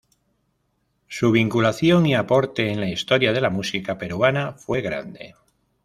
Su vinculación y aporte en la historia de la música peruana fue grande.